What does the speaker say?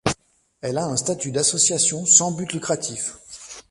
Elle a un statut d'association sans but lucratif.